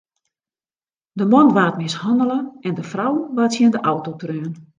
De man waard mishannele en de frou waard tsjin de auto treaun.